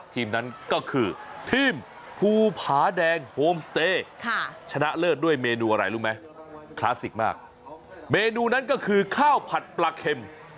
ทีมนั้นก็คือทีมภูผาแดงโฮมสเตย์ชนะเลิศด้วยเมนูอะไรรู้ไหมคลาสสิกมากเมนูนั้นก็คือข้าวผัดปลาเข็ม